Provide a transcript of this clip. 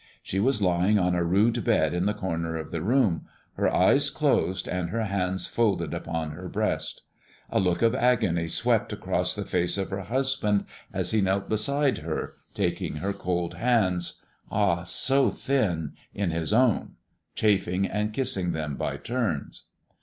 She was lying on a rude bed in the corner of the room, her eyes closed, and her hands folded upon her breast. A look of agony swept across the face of her husband as he knelt beside her, taking her cold hands ah, so thin! in his own, chafing and kissing them by turns.